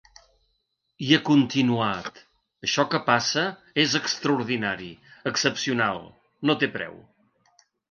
I ha continuat: Això que passa és extraordinari, excepcional, no té preu.